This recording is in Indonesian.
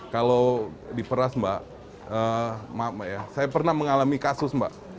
kalau diperas mbak maaf saya pernah mengalami kasus mbak